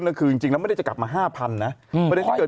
ก็คือจริงจริงแล้วไม่ได้จะกลับมาห้าพันนะประเด็นที่เกิด